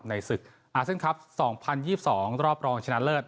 ในศึกอาเซ็นครับสองพันยี่สิบสองรอบรองชนะเลิศ